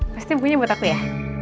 pasti bunyi buat aku ya